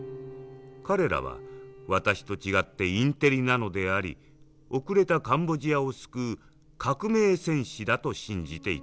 彼らは私と違ってインテリなのであり後れたカンボジアを救う革命戦士だと信じていた。